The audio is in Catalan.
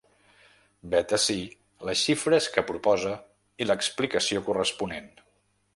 Vet ací les xifres que proposa i l’explicació corresponent.